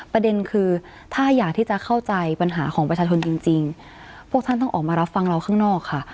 ประเด็นคือถ้าอยากที่จะเข้าใจปัญหาของประชาชนจริงพวกท่านต้องออกมารับฟังเราข้างนอกค่ะ